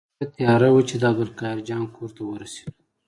ښه تیاره وه چې د عبدالقاهر جان کور ته ورسېدو.